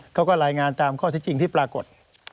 เขาก็รายงานตามข้อที่จริงที่ปรากฏ